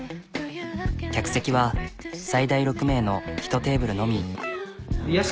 客席は最大６名の１テーブルのみ。